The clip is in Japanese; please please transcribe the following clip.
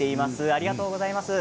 ありがとうございます。